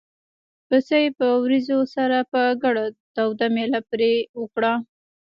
پسه یې په وریجو سره په ګډه توده مېله پرې وکړه.